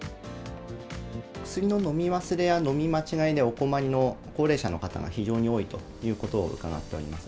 薬の飲み忘れや飲み間違いでお困りの高齢者の方が非常に多いということを伺っております。